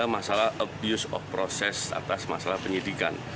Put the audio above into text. masalah abuse of process atas masalah penyidikan